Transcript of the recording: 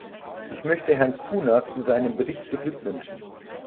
Ich möchte Herrn Cunha zu seinem Bericht beglückwünschen.